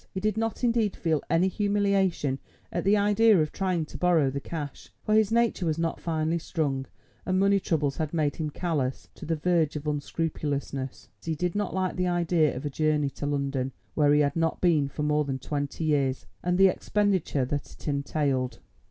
He did not indeed feel any humiliation at the idea of trying to borrow the cash, for his nature was not finely strung, and money troubles had made him callous to the verge of unscrupulousness; but he did not like the idea of a journey to London, where he had not been for more than twenty years, and the expenditure that it entailed.